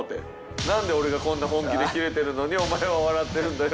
「何で俺がこんな本気でキレてるのにお前は笑ってるんだよ」